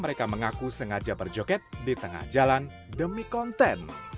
mereka mengaku sengaja berjoget di tengah jalan demi konten